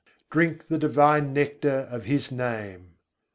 Drink the divine nectar of His Name!